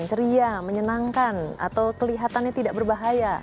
ceria menyenangkan atau kelihatannya tidak berbahaya